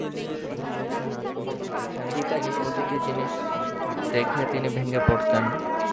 তিনি যতদিন আজমিরে থেকেছেন, প্রতিটি পরিচিত জিনিস দেখে তিনি ভেঙে পড়তেন।